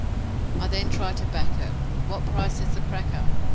'I then tried to back her 'What price is the Cracker?'